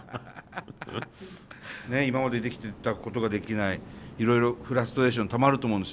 今までできてたことができないいろいろフラストレーションたまると思うんです